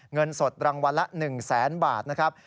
เงินสดรางวัลละ๑แสนบาทนะครับ